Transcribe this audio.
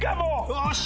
よし！